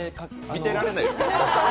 見てられないですよ。